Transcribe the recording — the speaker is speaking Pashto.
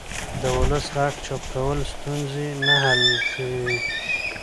د ولس غږ چوپ کول ستونزې نه حل کوي